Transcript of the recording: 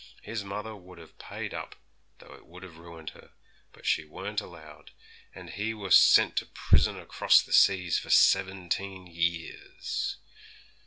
His mother would have paid up, though it would have ruined her; but she weren't allowed, and he were sent to prison across the seas for seventeen years.